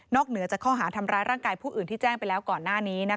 เหนือจากข้อหาทำร้ายร่างกายผู้อื่นที่แจ้งไปแล้วก่อนหน้านี้